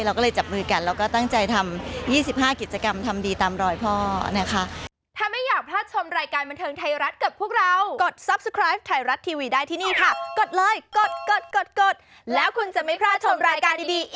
เราก็เลยจับมือกันแล้วก็ตั้งใจทำ๒๕กิจกรรมทำดีตามรอยพ่อนะคะ